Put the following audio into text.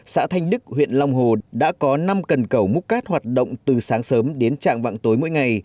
xã thanh đức huyện long hồ đã có năm cần cầu múc cát hoạt động từ sáng sớm đến trạng vặng tối mỗi ngày